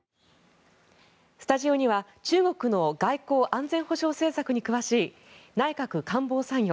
スタジオには中国の外交・安全保障政策に詳しい内閣官房参与